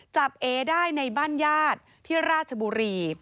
เอได้ในบ้านญาติที่ราชบุรี